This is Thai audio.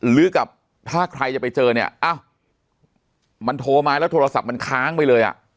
หรือกับถ้าใครจะไปเจอเนี่ยอ้าวมันโทรมาแล้วโทรศัพท์มันค้างไปเลยอ่ะ